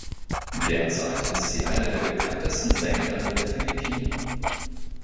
Derzeit ist sie eine der bekanntesten Sängerinnen der Philippinen.